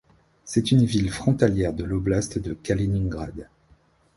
C'est une ville frontalière de l'Oblast de Kaliningrad.